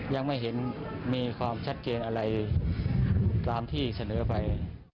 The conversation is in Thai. ยังไม่เห็นมีความชัดเจนอะไรตามที่เสนอไป